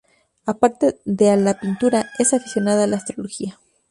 Aparte de a la pintura, es aficionada a la astrología.